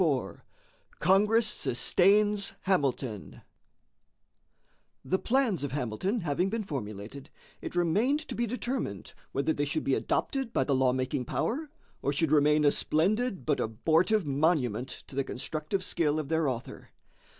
IV CONGRESS SUSTAINS HAMILTON The plans of Hamilton having been formulated, it remained to be determined whether they should be adopted by the lawmaking power or should remain a splendid but abortive monument to the constructive skill of their author.